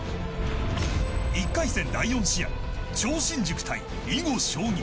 １回戦第４試合超新塾対囲碁将棋。